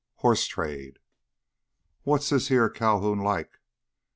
6 Horse Trade "What's this heah Calhoun like?"